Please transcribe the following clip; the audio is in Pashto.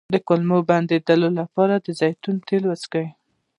د کولمو د بندیدو لپاره د زیتون تېل وڅښئ